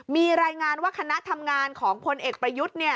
มีรายงานว่าคณะทำงานของพลเอกประยุทธ์